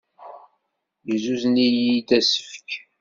Yuzen-iyi-d asefk.